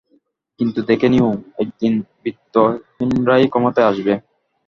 কিন্তু দেখে নিও, একদিন বিত্তহীনরাই ক্ষমতায় আসবে।